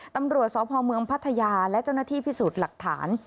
ตำรวจสพเมืองพัทยาและเจ้าหน้าที่พิสูจน์หลักฐาน